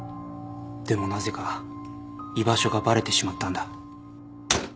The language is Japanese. でもなぜか居場所がバレてしまったんだ。